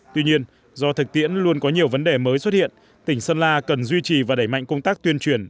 tuy nhiên do thực tiễn luôn có nhiều vấn đề mới xuất hiện tỉnh sơn la cần duy trì và đẩy mạnh công tác tuyên truyền